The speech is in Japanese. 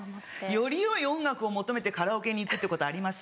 よりよい音楽を求めてカラオケに行くってことあります？